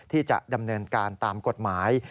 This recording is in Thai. ที่จะดำเนินการตามกฎหมาย